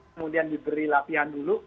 kemudian diberi latihan dulu